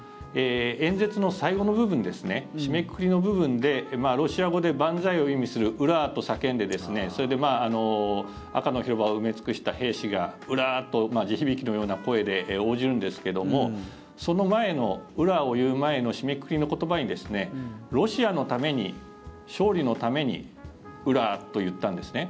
演説の最後の部分ですね締めくくりの部分でロシア語で万歳を意味するウラーと叫んでそれで赤の広場を埋め尽くした兵士がウラーと地響きのような声で応じるんですけどもその前の、ウラーを言う前の締めくくりの言葉に「ロシアのために、勝利のためにウラー」と言ったんですね。